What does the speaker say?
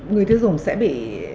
người tiêu dùng sẽ bị